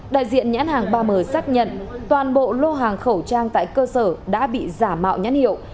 đại diện nhãn hàng ba m xác nhận toàn bộ lô hàng khẩu trang tại cơ sở đã bị giả mạo nhãn hiệu